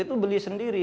itu beli sendiri